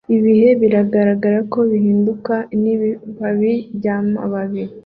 ibihe biragaragara ko bihinduka nibibabi byamababi